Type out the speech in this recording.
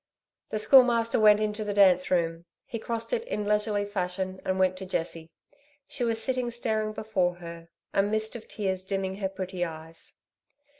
The Schoolmaster went into the dance room. He crossed it in leisurely fashion and went to Jessie. She was sitting staring before her, a mist of tears dimming her pretty eyes.